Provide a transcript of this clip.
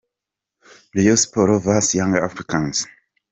-: Rayon Sport vs Young Africans.